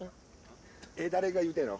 えっ誰が言うてんの？